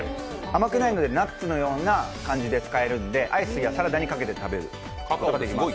甘くないので、ナッツのような感じで使えるので、アイスやサラダにかけて食べれます。